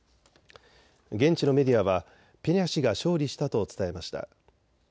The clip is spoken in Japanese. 現地のメディアはペニャ氏が勝利したと伝えました。